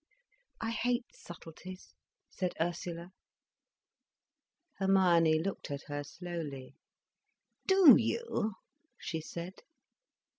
"I hate subtleties," said Ursula. Hermione looked at her slowly. "Do you?" she said.